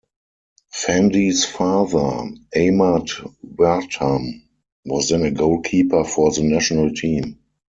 Fandi's father, Ahmad Wartam was then a goalkeeper for the national team.